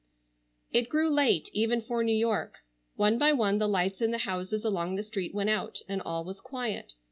It grew late, even for New York. One by one the lights in the houses along the street went out, and all was quiet.